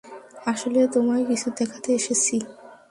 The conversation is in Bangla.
আসলে, তোমায় কিছু দেখাতে এসেছি।